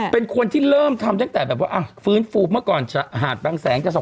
เป็นคนที่เริ่มทำตั้งแต่แบบว่าฟื้นฟูเมื่อก่อนหาดบางแสนกระสอบ